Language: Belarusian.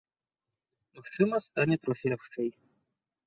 Магчыма, стане трохі лягчэй.